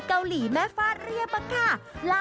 จ๊อแจะริมจ้อ